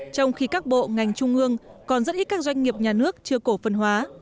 trong khi các bộ ngành trung ương còn rất ít các doanh nghiệp nhà nước chưa cổ phần hóa